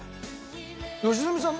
良純さん